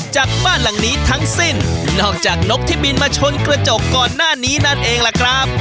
จากบ้านหลังนี้ทั้งสิ้นนอกจากนกที่บินมาชนกระจกก่อนหน้านี้นั่นเองล่ะครับ